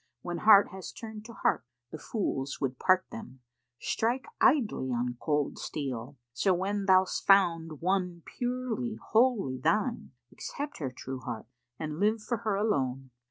When heart has turned to heart, the fools would part them Strike idly on cold steel. So when thou'st found One purely, wholly thine, accept her true heart, And live for her alone.